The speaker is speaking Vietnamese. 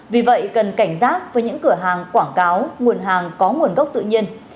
vì vậy cần cảnh giác với những cửa hàng quảng cáo nguồn hàng có nguồn gốc tự nhiên